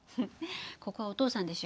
ここはお父さんでしょ